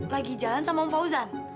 lagi jalan sama fauzan